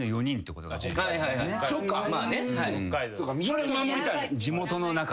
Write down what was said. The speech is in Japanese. それを守りたい？